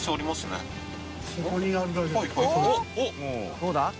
どうだ？